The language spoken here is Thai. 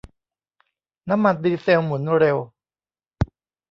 น้ำมันดีเซลหมุนเร็ว